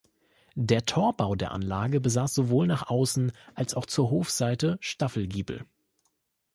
Der Torbau der Anlage besaß sowohl nach außen als auch zur Hofseite Staffelgiebel.